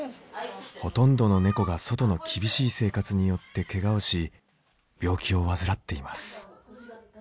ほとんどの猫が外の厳しい生活によってけがをし病気を患っています。